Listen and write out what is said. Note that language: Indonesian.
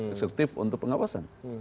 eksekutif untuk pengawasan